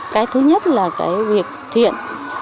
cái thứ nhất là việc thiện